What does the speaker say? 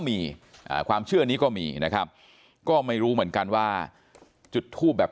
มีอ่าความเชื่อนี้ก็มีนะครับก็ไม่รู้เหมือนกันว่าจุดทูปแบบ